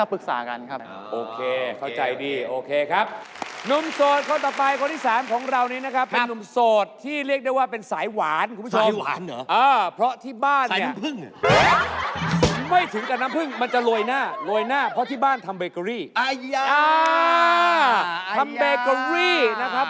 ผู้ชายคนนี้เตียนมาแล้วไม่ธรรมดาคุณโสดมานานกี่ปีแล้วเนี่ยหนึ่งปีครับ